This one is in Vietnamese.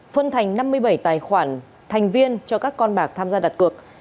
phân thành năm mươi bảy tài khoản thành viên cho các con bạc tham gia đặt cược